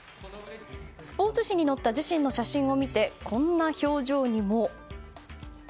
スポーツ紙に載った自身の写真を見てこんな表情にも。